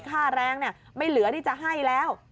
ค่าแรงไม่เหลือที่จะให้แล้ว